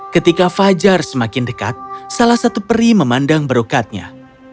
ketika fajar semakin dekat salah satu peri memandang berukatnya